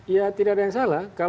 ya tidak ada yang salah